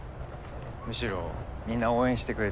むしろみんな応援してくれてる。